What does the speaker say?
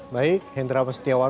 baik hendrawan setiawan